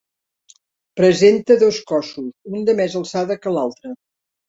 Presenta dos cossos, un de més alçada que l'altre.